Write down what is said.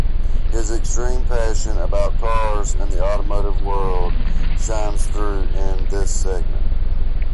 His extreme passion about cars and the automotive world shines through in this segment.